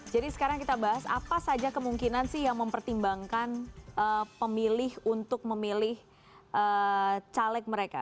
jadi sekarang kita bahas apa saja kemungkinan sih yang mempertimbangkan pemilih untuk memilih caleg mereka